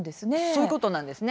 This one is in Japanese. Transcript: そういうことなんです。